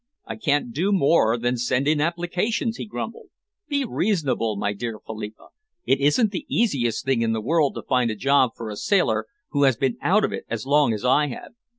"I can't do more than send in applications," he grumbled. "Be reasonable, my dear Philippa. It isn't the easiest thing in the world to find a job for a sailor who has been out of it as long as I have."